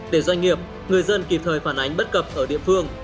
để doanh nghiệp người dân kịp thời phản ánh bất cập ở địa phương